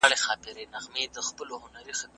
الله تعالی پاکي او ښائست خوښوي.